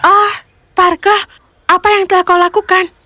oh tarke apa yang telah kau lakukan